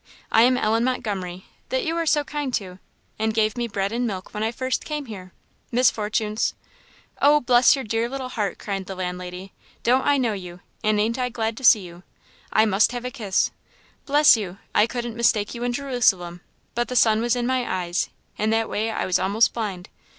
I am Ellen Montgomery that you were so kind to, and gave me bread and milk when I first came here Miss Fortune's " "Oh, bless your dear little heart!" cried the landlady; "don't I know you! and ain't I glad to see you! I must have a kiss. Bless you! I couldn't mistake you in Jerusalem; but the sun was in my eyes, in that way I was a'most blind.